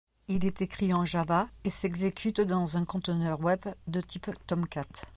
Il est écrit en Java et s'exécute dans un conteneur web de type Tomcat.